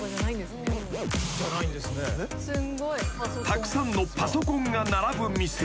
［たくさんのパソコンが並ぶ店］